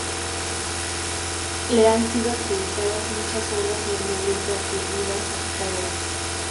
Le han sido acreditadas muchas obras normalmente atribuidas a Pitágoras.